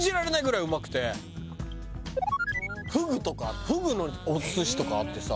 フグとかフグのお寿司とかあってさ。